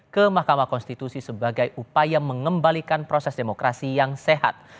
ke mahkamah konstitusi sebagai upaya mengembalikan proses demokrasi yang sehat